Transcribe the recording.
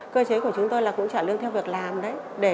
cơ chế của chúng tôi là cũng trả lương theo việc làm đấy